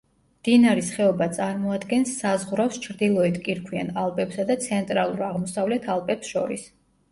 მდინარის ხეობა წარმოადგენს საზღვრავს ჩრდილოეთ კირქვიან ალპებსა და ცენტრალურ-აღმოსავლეთ ალპებს შორის.